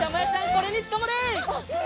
これにつかまれ！